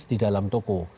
di dalam toko